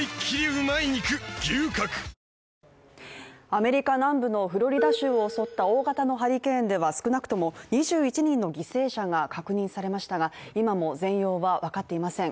アメリカ南部のフロリダ州を襲った大型のハリケーンでは少なくとも２１人の犠牲者が確認されましたが今も全容は分かっていません。